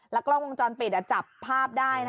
แล้วก็ลองวงจรปิดอ่ะจับภาพได้นะ